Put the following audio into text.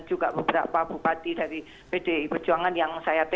terima kasih rating banyak